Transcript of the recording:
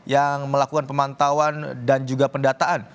yang melakukan pemantauan dan juga pendataan